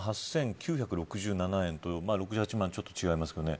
６７万８９６７円と６８万円ちょっと違いますね。